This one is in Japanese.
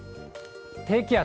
低気圧。